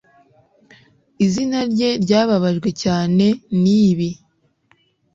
izina rye ryababajwe cyane nibi